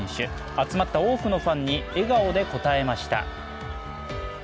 集まった多くのファンに笑顔で応えました。